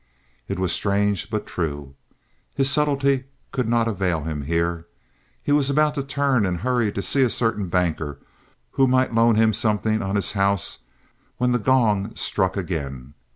It was strange but true. His subtlety could not avail him here. He was about to turn and hurry to see a certain banker who might loan him something on his house, when the gong struck again.